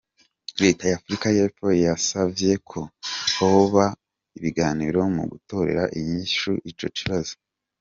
Reta ya Africa y'epfo yasavye ko hoba ibiganiro mu gutorera inyishu ico kibazo.